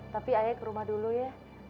tapi ayah ke rumah dulu ya